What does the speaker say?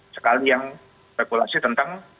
sekali yang spekulasi tentang